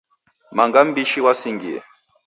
Manga mbishi wasingiye.